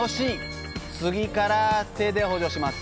次から手で補助します。